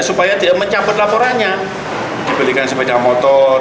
supaya mencabut laporannya diberikan sepeda motor